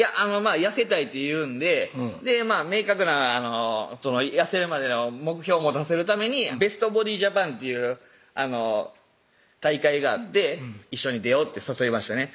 「痩せたい」と言うんで明確な痩せるまでの目標持たせるためにベストボディジャパンっていう大会があって「一緒に出よう」って誘いましたね